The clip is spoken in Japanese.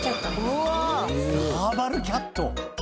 サーバルキャット！？